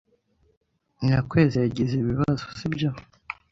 Nyakwezi yagize ibibazo, sibyo?